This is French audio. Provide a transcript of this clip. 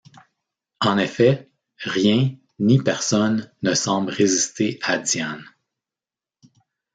En effet, rien ni personne ne semble résister à Diane...